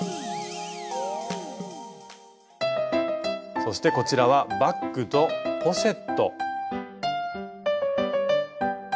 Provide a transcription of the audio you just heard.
そしてこちらはバッグとポシェット。